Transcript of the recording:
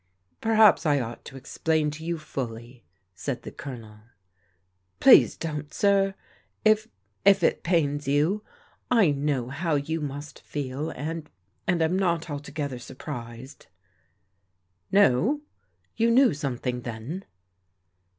"Perhaps I ought to explain to you fully," said the Colonel. " Please don't, sir, — if — if it pains you. I know how you must feel, and — and I'm not altogether surprised." " No ? You knew something then